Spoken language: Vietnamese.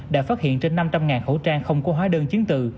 đã phát hiện trên năm trăm linh khẩu trang không có hóa đơn chứng từ